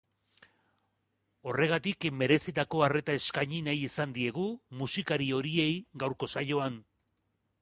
Horregatik, merezitako arreta eskaini nahi izan diegu musikari horiei gauko saioan.